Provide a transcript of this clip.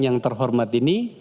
yang terhormat ini